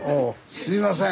すいません。